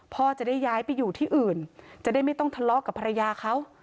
พ่อจะได้ย้ายไปอยู่ที่อื่นจะได้ไม่ต้องทะเลาะกับภรรยาเขา